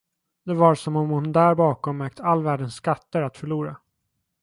Det var som om hon där bakom ägt all världens skatter att förlora.